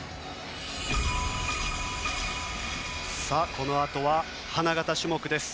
このあとは花形種目です。